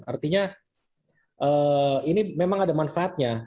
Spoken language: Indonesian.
artinya ini memang ada manfaatnya